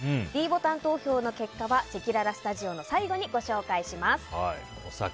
ｄボタン投票の結果はせきららスタジオの最後にご紹介します。